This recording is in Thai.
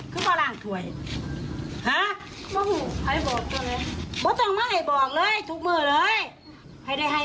แกจะโดดให้ประภาษาถูกรอดมารึไง